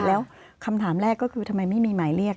แล้วคำถามแรกก็คือทำไมไม่มีหมายเรียก